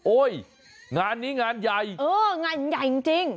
งานนี้งานใหญ่เอองานใหญ่จริง